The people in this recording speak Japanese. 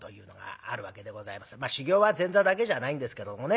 修業は前座だけじゃないんですけどもね。